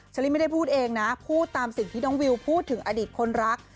ลี่ไม่ได้พูดเองนะพูดตามสิ่งที่น้องวิวพูดถึงอดีตคนรัก